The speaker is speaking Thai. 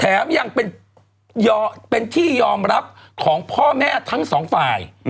ยังเป็นที่ยอมรับของพ่อแม่ทั้งสองฝ่าย